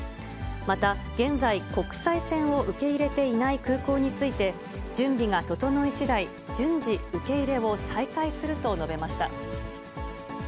また、現在、国際線を受け入れていない空港について、準備が整いしだい、順次、受け入れを再開すると述べました。